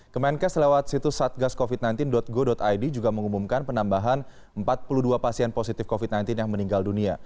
kemenkes lewat situs satgascovid sembilan belas go id juga mengumumkan penambahan empat puluh dua pasien positif covid sembilan belas yang meninggal dunia